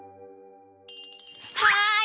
はい！